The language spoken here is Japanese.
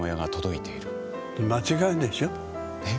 間違いでしょ？え？